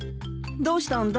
どうしたんだい？